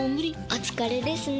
お疲れですね。